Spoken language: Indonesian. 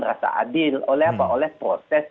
rasa adil oleh apa oleh proses